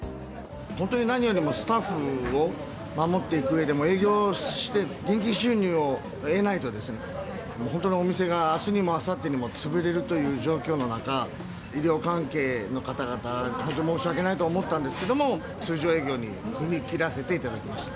本当に何よりもスタッフを守っていくうえでも、営業して現金収入を得ないとですね、本当にお店があすにも、あさってにも潰れるという状況の中、医療関係の方々、本当に申し訳ないとは思ったんですけども、通常営業に踏み切らせていただきました。